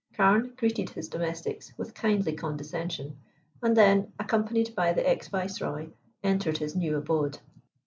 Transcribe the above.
Carne greeted his domestics with kindly condescension, and then, accompanied by the ex Viceroy, entered his new abode.